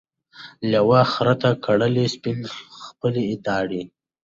لېوه خره ته کړلې سپیني خپلي داړي